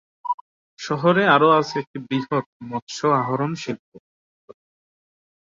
শহরে আরও আছে একটি বৃহৎ মৎস্য আহরণ শিল্প।